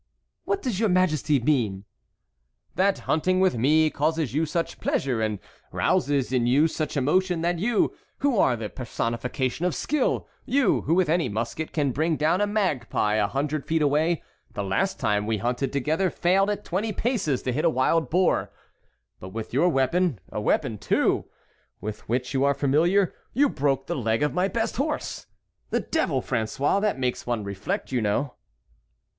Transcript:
"What does your Majesty mean?" "That hunting with me causes you such pleasure and rouses in you such emotion that you who are the personification of skill, you who with any musket can bring down a magpie a hundred feet away, the last time we hunted together failed at twenty paces to hit a wild boar; but with your weapon, a weapon, too, with which you are familiar, you broke the leg of my best horse. The devil, François, that makes one reflect, you know!"